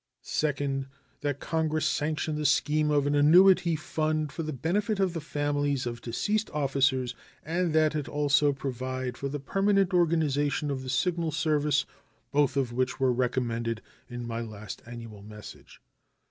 Second. That Congress sanction the scheme of an annuity fund for the benefit of the families of deceased officers, and that it also provide for the permanent organization of the Signal Service, both of which were recommended in my last annual message.